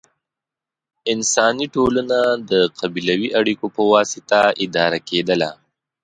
انساني ټولنه د قبیلوي اړیکو په واسطه اداره کېدله.